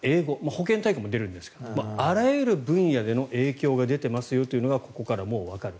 保健体育にも出るんですがあらゆる分野での影響が出てますよというのがここからもうわかる。